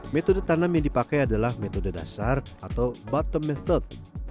metode tanam yang dipakai adalah metode dasar atau bottom method